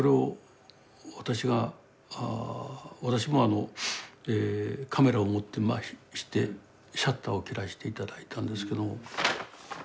私もカメラを持ってましてシャッターを切らして頂いたんですけども。